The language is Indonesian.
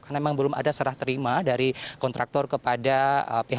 karena memang belum ada serah terima dari kontraktor ke pemerintah